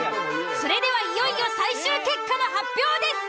それではいよいよ最終結果の発表です。